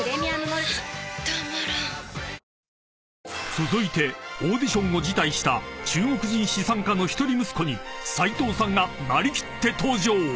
［続いてオーディションを辞退した中国人資産家の一人息子に斉藤さんが成り切って登場］